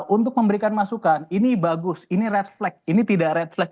untuk memberikan masukan ini bagus ini red flag ini tidak red flag